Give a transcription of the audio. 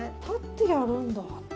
立ってやるんだ。